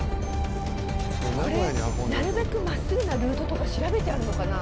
これなるべく真っすぐなルートとか調べてあるのかな？